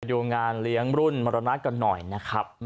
ดูงานเลี้ยงรุ่นมรณะกันหน่อยนะครับ